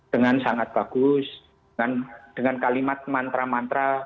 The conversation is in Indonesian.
dengan sangat bagus dengan kalimat mantra mantra